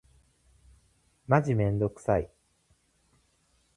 マジめんどくさい。